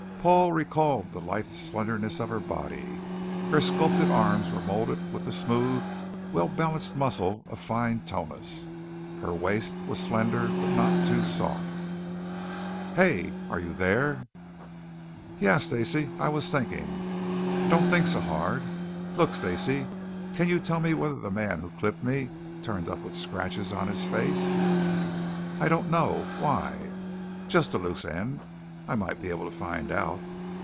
Paul recalled the lithe slenderness of her body. Her sculptured arms were molded with the smooth, well balanced muscle of fine tonus. Her waist was slender but not too soft "Hey! Are you there?" "Yeah, Stacey. I was thinking." "Don't think so hard." "Look, Stacey. Can you tell me whether the man who clipped me turned up with scratches on his face?" "I don't know. Why?" "Just a loose end." "I might be able to find out."